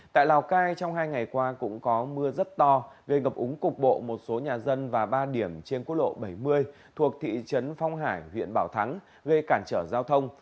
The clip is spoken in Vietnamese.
tại lào cai trong hai ngày qua cũng có mưa rất to gây ngập úng cục bộ một số nhà dân và ba điểm trên quốc lộ bảy mươi thuộc thị trấn phong hải huyện bảo thắng gây cản trở giao thông